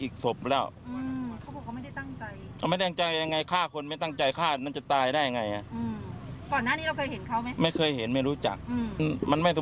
ความข้างใจของญาติ